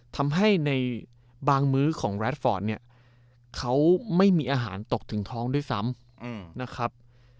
ทำให้ในบางมื้อของแรดฟอร์ตเนี่ยเขาไม่มีอาหารตกถึงท้องด้วยซ้ำนะครับ